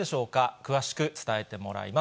詳しく伝えてもらいます。